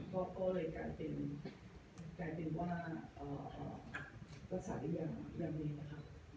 ก็ก็เลยกลายเปลี่ยนกลายเปลี่ยนว่าอ่าอ่ารักษาที่อย่างอย่างนี้นะครับ